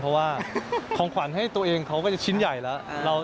เพราะว่าของขวัญให้ตัวเองเขาก็จะชิ้นใหญ่แล้ว